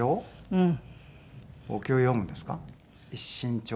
うん。